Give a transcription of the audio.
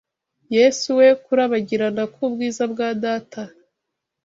Yesu We kurabagirana k’ubwiza bwa Data